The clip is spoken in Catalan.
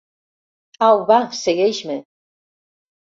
Au, va, segueix-me.